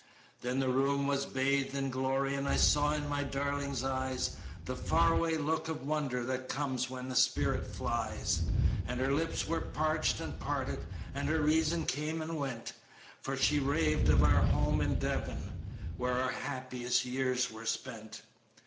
"Then the room was bathed in glory, And I saw in my darling's eyes The far away look of wonder That comes when the spirit flies; And her lips were parched and parted, And her reason came and went, For she raved of our home in Devon, Where our happiest years were spent.